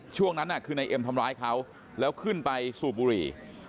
ช่วงนั้นคือนายเอ็มทำร้ายเขาแล้วขึ้นไปสูบบุหรี่